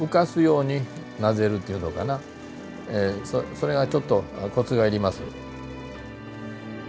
それがちょっとコツがいります。